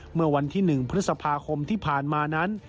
เมื่อวันที่๑พฤษภาคมที่ผ่านมานั้น